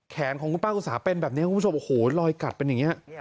ของคุณป้าอุตสาเป็นแบบนี้คุณผู้ชมโอ้โหลอยกัดเป็นอย่างนี้